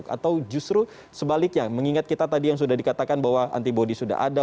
atau justru sebaliknya mengingat kita tadi yang sudah dikatakan bahwa antibody sudah ada